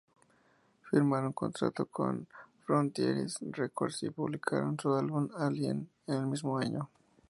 Firmaron contrato con Frontiers Records y publicaron su álbum "Alien" en el mismo año.